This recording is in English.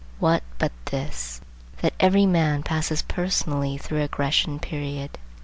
What but this, that every man passes personally through a Grecian period.